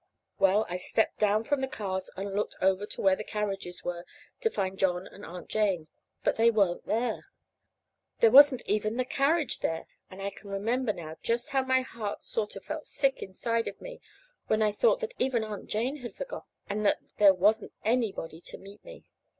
Well, I stepped down from the cars and looked over to where the carriages were to find John and Aunt Jane. But they weren't there. There wasn't even the carriage there; and I can remember now just how my heart sort of felt sick inside of me when I thought that even Aunt Jane had forgotten, and that there wasn't anybody to meet me.